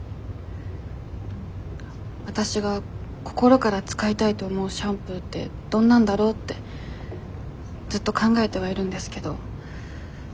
わたしが心から使いたいと思うシャンプーってどんなんだろうってずっと考えてはいるんですけど。